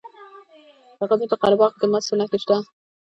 د غزني په قره باغ کې د مسو نښې شته.